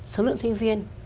số lượng sinh viên